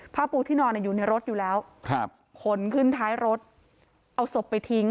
ปูที่นอนอยู่ในรถอยู่แล้วครับขนขึ้นท้ายรถเอาศพไปทิ้ง